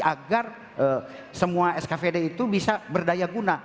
agar semua skvd itu bisa berdaya guna